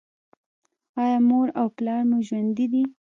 ایا مور او پلار مو ژوندي دي؟